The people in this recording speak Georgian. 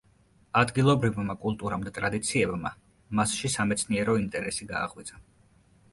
ადგილობრივმა კულტურამ და ტრადიციებმა მასში სამეცნიერო ინტერესი გააღვიძა.